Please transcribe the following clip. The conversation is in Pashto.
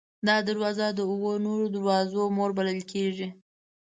دا دروازه د اوو نورو دروازو مور بلل کېږي.